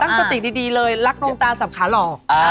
ตั้งสติดีเลยรักน้องตาสับขาหลอก